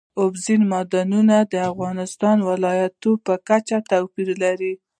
اوبزین معدنونه د افغانستان د ولایاتو په کچه توپیر لري.